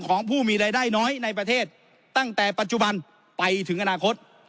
ของผู้มีรายได้น้อยในประเทศตั้งแต่ปัจจุบันไปถึงอนาคต